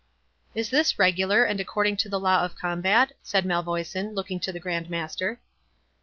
"Is this regular, and according to the law of combat?" said Malvoisin, looking to the Grand Master.